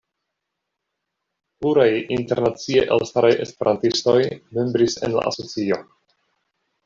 Pluraj internacie elstaraj esperantistoj membris en la asocio.